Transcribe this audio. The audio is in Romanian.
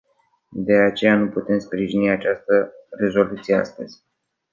De aceea nu putem sprijini această rezoluție astăzi.